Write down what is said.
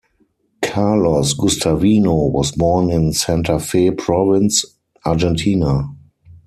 Carlos Guastavino was born in Santa Fe Province, Argentina.